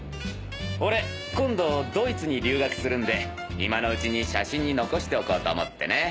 俺今度ドイツに留学するんで今のうちに写真に残しておこうと思ってね。